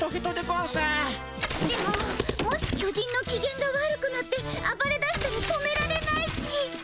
でももし巨人のきげんが悪くなってあばれだしたら止められないし。